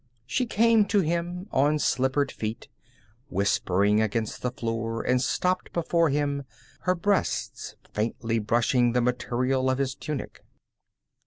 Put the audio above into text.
She came to him on slippered feet, whispering against the floor and stopped before him, her breasts faintly brushing the material of his tunic.